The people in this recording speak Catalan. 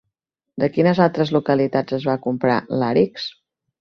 De quines altres localitats es va comprar làrix?